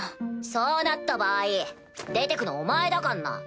そうなった場合出てくのお前だかんな。